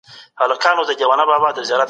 بهرني سکتور ته باید پوره واک ورنه کړل سي.